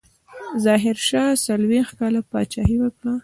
ظاهرشاه څلوېښت کاله پاچاهي وکړه.